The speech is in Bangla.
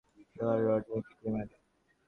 লোহার রড দিয়ে পিটিয়ে মারে।